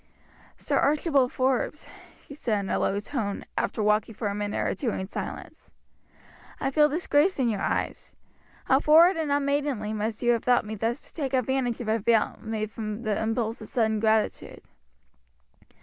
"Sir Archibald Forbes," she said in a low tone, after walking for a minute or two in silence, "I feel disgraced in your eyes. How forward and unmaidenly must you have thought me thus to take advantage of a vow made from the impulse of sudden gratitude."